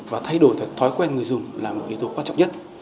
và thay đổi thói quen người dùng là một yếu tố quan trọng nhất